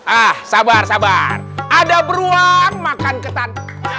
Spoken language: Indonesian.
ah sabar sabar ada beruang makan ketan